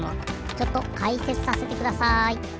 ちょっとかいせつさせてください。